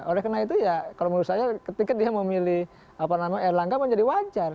oleh karena itu ya kalau menurut saya ketika dia memilih erlangga menjadi wajar